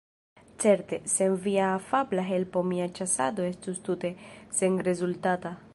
Certe, sen via afabla helpo mia ĉasado estus tute senrezultata.